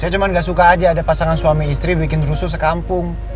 saya cuma gak suka aja ada pasangan suami istri bikin rusuh sekampung